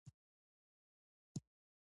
ماري سټیفن تاریخي څېړنې وکړې.